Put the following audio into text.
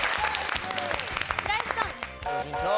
白石さん。